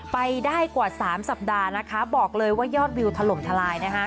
ไปได้กว่า๓สัปดาห์นะคะบอกเลยว่ายอดวิวถล่มทลายนะคะ